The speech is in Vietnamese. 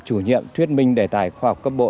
chủ nhiệm thuyết minh đề tài khoa học cấp bộ